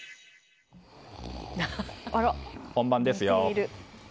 本番ですよ！